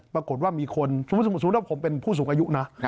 ปรากฏว่ามีคนสมมุติว่าผมเป็นผู้สูงอายุนะ